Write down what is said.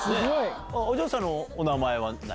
お嬢さんのお名前は何？